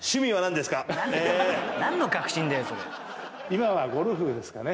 今はゴルフですかね。